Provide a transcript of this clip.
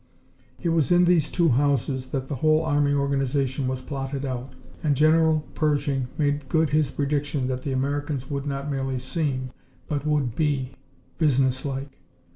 It was in these two houses that the whole army organization was plotted out, and General Pershing made good his prediction that the Americans would not merely seem, but would be, businesslike.